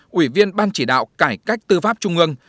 quỷ viên ban chỉ đạo cải cách tư pháp trung ương